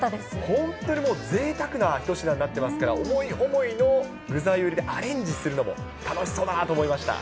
本当にもう、ぜいたくな一品になってますから、思い思いの具材でアレンジするのも楽しそうだなと思いました。